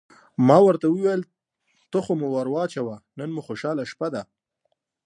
ما ورته وویل: ته خو یې ور واچوه، نن مو خوشحاله شپه ده.